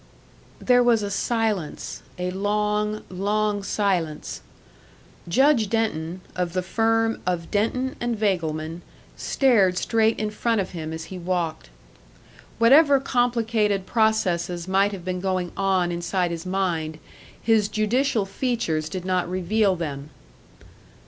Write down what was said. There was a silence a long, long silence. Judge Denton, of the firm of Denton and Vagleman, stared straight in front of him as he walked. Whatever complicated processes might have been going on inside his mind, his judicial features did not reveal them.